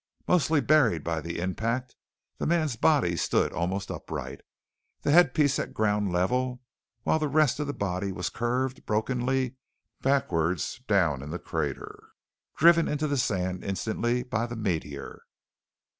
Mostly buried by the impact, the man's body stood almost upright, the headpiece at ground level while the rest of the body was curved brokenly backwards down in the crater, driven into the sand instantly by the meteor.